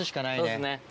そうっすね。